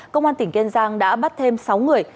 công an tp hcm đã bắt thêm sáu người